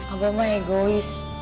abah mah egois